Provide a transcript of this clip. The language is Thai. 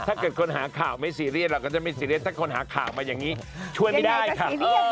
ถ้าเกิดคนหาข่าวไม่ซีเรียสเราก็จะไม่ซีเรียสถ้าคนหาข่าวมาอย่างนี้ช่วยไม่ได้ค่ะ